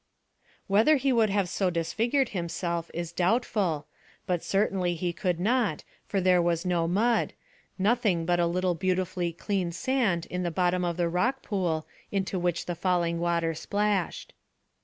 Whether he would have so disfigured himself is doubtful, but certainly he could not, for there was no mud, nothing but a little beautifully clean sand in the bottom of the rock pool into which the falling water splashed.